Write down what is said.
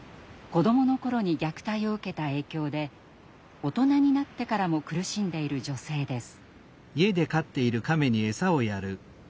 子どもの頃に虐待を受けた影響で大人になってからも苦しんでいる女性です。